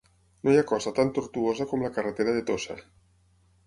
No hi ha cosa tan tortuosa com la carretera de Tossa.